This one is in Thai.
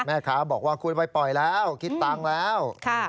แม่ค้าบอกว่าคุณไปปล่อยแล้วคิดตังค์แล้ว